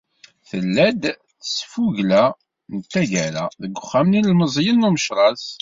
Tella-d tesfugla n taggara, deg uxxam n yilemẓiyen n Umecras.